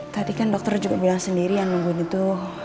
tadi kan dokter juga bilang sendiri yang nungguin itu